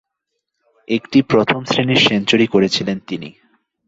একটি প্রথম-শ্রেণীর সেঞ্চুরি করেছিলেন তিনি।